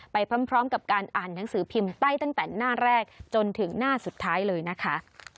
ไปพร้อมกับการอ่านหนังสือพิมพ์ไปตั้งแต่หน้าแรกจนถึงหน้าสุดท้ายเลยนะคะ